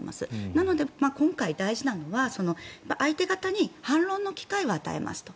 なので今回大事なのは相手方に反論の機会を与えますと。